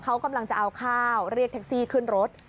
เขากำลังจะเอาข้าวเรียกแท็กซี่ขึ้นรถ